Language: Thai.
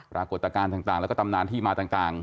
ปรากฏการณ์ต่างแล้วก็ตำนานที่มาต่าง